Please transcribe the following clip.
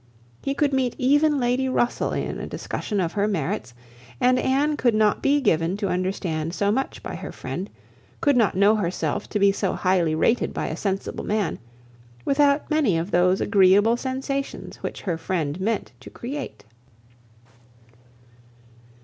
He could meet even Lady Russell in a discussion of her merits; and Anne could not be given to understand so much by her friend, could not know herself to be so highly rated by a sensible man, without many of those agreeable sensations which her friend meant to create.